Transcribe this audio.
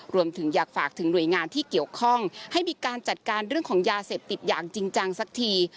รวมถึงอยากฝากถึงหน่วยงานที่เกี่ยวข้องให้มีการจัดการเรื่องของยาเสพติดอย่างจริงจังสักที